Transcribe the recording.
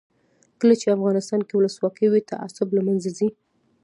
کله چې افغانستان کې ولسواکي وي تعصب له منځه ځي.